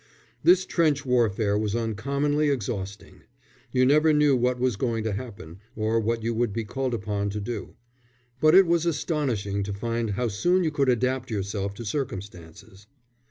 This trench warfare was uncommonly exhausting. You never knew what was going to happen, or what you would be called upon to do; but it was astonishing to find how soon you could adapt yourself to circumstances.